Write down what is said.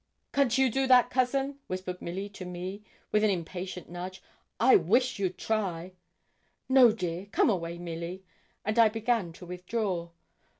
'Can't you do that, cousin?' whispered Milly to me, with an impatient nudge. 'I wish you'd try.' 'No, dear come away, Milly,' and I began to withdraw.